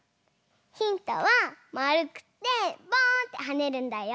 ヒントはまるくてポーンってはねるんだよ。